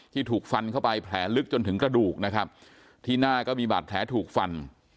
ถูกฟันเข้าไปแผลลึกจนถึงกระดูกนะครับที่หน้าก็มีบาดแผลถูกฟัน